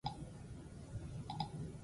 Suak ez du inor zauritu.